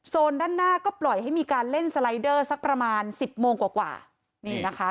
โซนด้านหน้าก็ปล่อยให้มีการเล่นสไลเดอร์สักประมาณ๑๐โมงกว่ากว่า